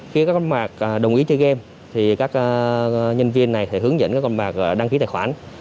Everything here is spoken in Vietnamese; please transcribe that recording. khi các con bạc đồng ý chơi game thì các nhân viên này sẽ hướng dẫn các con bạc đăng ký tài khoản